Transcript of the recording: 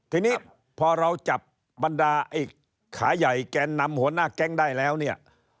ทีนี้พอเราจับบรรดาไอ้ขาใหญ่แกนนำหัวหน้าแก๊งได้แล้วเนี่ย